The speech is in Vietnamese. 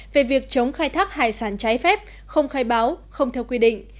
về việc chống khai thác hải sản trái phép không khai báo không theo quy định